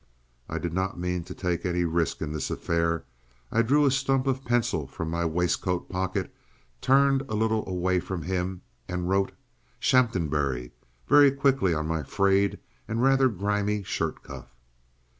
I did not mean to take any risks in this affair. I drew a stump of pencil from my waistcoat pocket, turned a little away from him and wrote "Shaphambury" very quickly on my frayed and rather grimy shirt cuff.